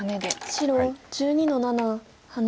白１２の七ハネ。